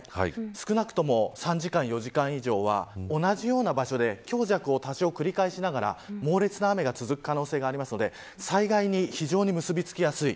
少なくとも３時間、４時間以上は同じような場所で強弱を多少繰り返しながら猛烈な雨が続く可能性があるので災害に結び付きやすい。